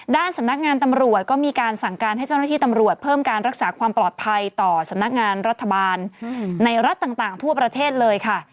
ด้านสำนักงานตำรวจก็มีการสั่งการให้เจ้าหน้าที่ตำรวจเพิ่มการรักษาความปลอดภัยต่อสำนักงานรัฐบาลในรัฐต่างทั่วประเทศเลยค่ะ